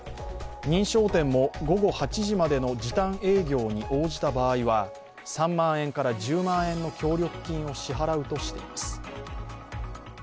認証店も午後８時までの時短営業に応じた場合は３万円から１０万円の協力金を支払うとしています。